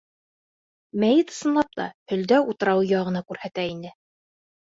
Мәйет, ысынлап та, Һөлдә Утрауы яғына күрһәтә ине.